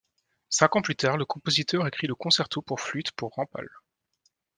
Cinq ans plus tard, le compositeur écrit le concerto pour flûte pour Rampal.